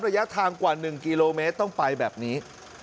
ระยะทางกว่า๑กิโลเมตรต้องไปแบบนี้